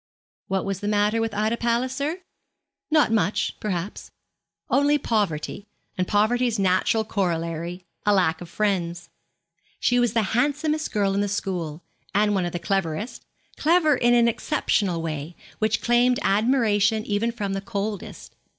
What was the matter with Ida Palliser? Not much, perhaps. Only poverty, and poverty's natural corollary, a lack of friends. She was the handsomest girl in the school, and one of the cleverest clever in an exceptional way, which claimed admiration even from the coldest.